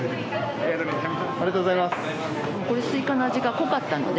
ありがとうございます。